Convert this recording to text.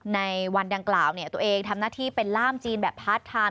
ในวันดังกล่าวตัวเองทำหน้าที่เป็นล่ามจีนแบบพาร์ทไทน